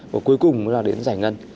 và cuối cùng là đến giải ngân